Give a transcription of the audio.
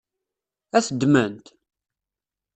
Ad t-ddment?